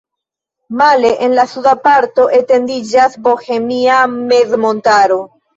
Male en la suda parto etendiĝas Bohemia mezmontaro.